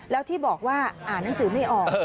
แล้วที่บอกว่าอ่านหนังสือไม่ออก